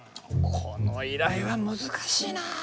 この依頼は難しいなあおい。